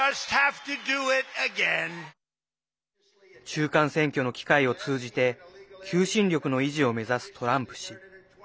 中間選挙の機会を通じて求心力の維持を目指すトランプ氏。